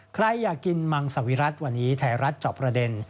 ใครอยากกินมังสวิรัติวันนี้ไทยรัฐเจาะประเด็น